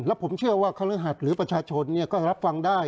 แล้วผมเชื่อว่าคฤหัสหรือประชาชนก็รับฟังได้